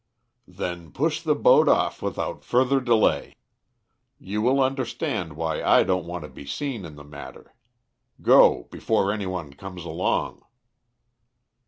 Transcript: "Then push the boat off without further delay. You will understand why I don't want to be seen in the matter. Go, before any one comes along."